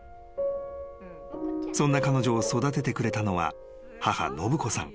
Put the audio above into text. ［そんな彼女を育ててくれたのは母信子さん］